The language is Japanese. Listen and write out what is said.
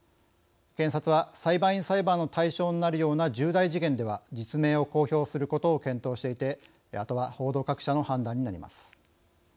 検察は裁判員裁判の対象になるような重大事件では実名を公表することを検討していてあとは報道各社の判断になります。